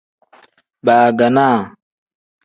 Baaganaa.